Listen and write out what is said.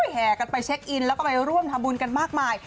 แห่กันไปเช็คอินแล้วก็ไปร่วมทำบุญกันมากมาย